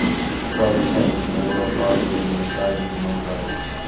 Property Taxes and the overall Cost of Living were cited as the main drivers.